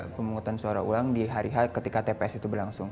pemungutan suara ulang di hari hal ketika tps itu berlangsung